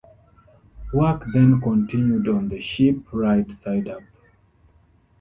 Work then continued on the ship right-side up.